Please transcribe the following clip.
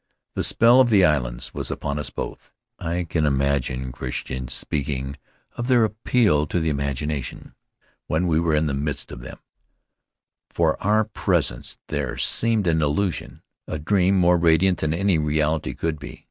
The spell of the islands was upon us both. I can understand Crichton's speaking of their appeal to the imagination while we were in the midst of them; for our presence there seemed an illusion — a dream more radiant than any reality could be.